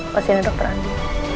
pasiennya dokter andi